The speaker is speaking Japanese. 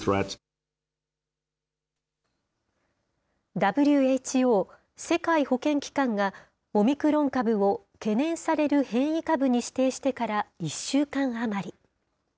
ＷＨＯ・世界保健機関が、オミクロン株を懸念される変異株に指定してから、１週間余り。